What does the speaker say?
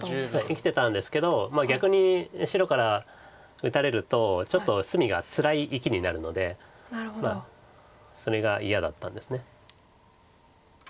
生きてたんですけど逆に白から打たれるとちょっと隅がつらい生きになるのでまあそれが嫌だったんです。